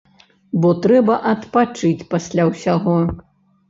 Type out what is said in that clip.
Бо трэба адпачыць пасля ўсяго.